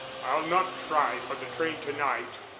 I'll not try for the train to night."